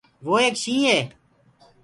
وو ايڪ شيِنهيٚنَ هي۔